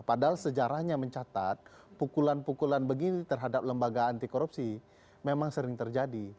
padahal sejarahnya mencatat pukulan pukulan begini terhadap lembaga anti korupsi memang sering terjadi